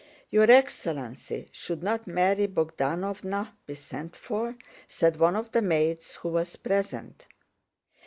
"Your excellency, should not Mary Bogdánovna be sent for?" said one of the maids who was present.